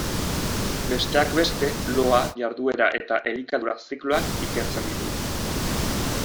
Besteak beste, loa, jarduera eta elikadura-zikloak ikertzen ditu.